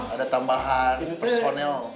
ada tambahan personel